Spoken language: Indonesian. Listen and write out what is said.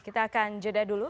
kita akan jeda dulu